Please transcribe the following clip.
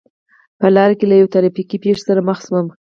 په لار کې له یوې ترا فیکې پېښې سره مخ شوم.